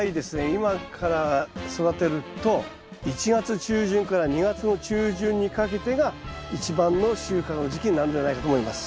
今から育てると１月中旬から２月の中旬にかけてが一番の収穫の時期になるんじゃないかと思います。